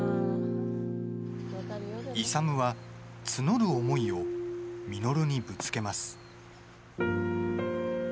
勇は、募る思いを稔にぶつけます。